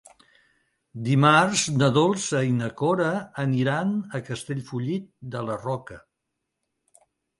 Dimarts na Dolça i na Cora aniran a Castellfollit de la Roca.